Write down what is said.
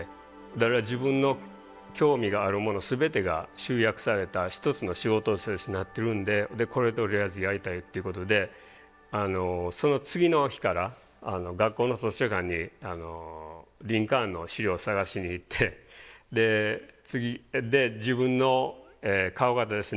だから自分の興味があるもの全てが集約された一つの仕事としてなってるんでこれとりあえずやりたいっていうことでその次の日から学校の図書館にリンカーンの資料を探しに行ってで次自分の顔型ですね。